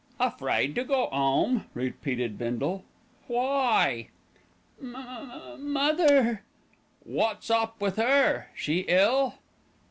"Afraid to go 'ome," repeated Bindle. "Why?" "M m m m mother." "Wot's up with 'er? She ill?"